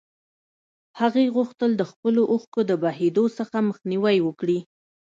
هغې غوښتل د خپلو اوښکو د بهېدو څخه مخنيوی وکړي.